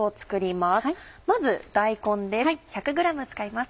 まず大根です。